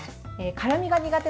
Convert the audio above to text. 辛みが苦手